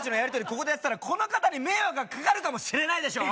ここでやってたらこの方に迷惑がかかるかもしれないでしょ